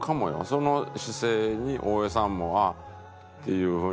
その姿勢に大江さんも「あっ」っていう風な。